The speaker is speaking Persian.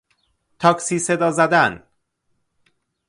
تاکسی صدا زدن